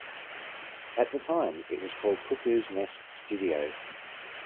At the time, it was called Cuckoo's Nest Studio.